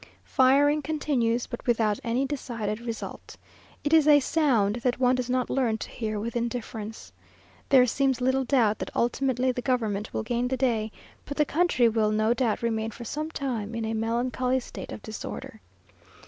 Firing continues, but without any decided result. It is a sound that one does not learn to hear with indifference. There seems little doubt that ultimately the government will gain the day, but the country will no doubt remain for some time in a melancholy state of disorder.